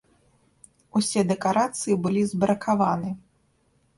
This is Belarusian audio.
Усе дэкарацыі былі збракаваны.